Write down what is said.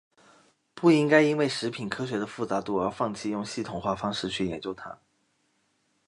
不应该因为食品科学的复杂度而放弃用系统化方式去研究它。